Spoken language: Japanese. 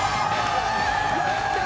やったー！